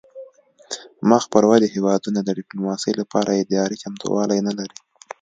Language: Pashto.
مخ پر ودې هیوادونه د ډیپلوماسي لپاره اداري چمتووالی نلري